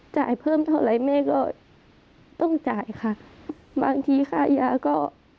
จ่ายเพิ่มเท่าไรแม่ก็ต้องจ่ายค่ะบางทีค่ายาก็